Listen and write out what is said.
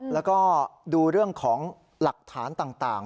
แล้วก็ดูเรื่องของหลักฐานต่าง